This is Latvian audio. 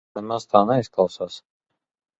Nemaz tā neizklausās.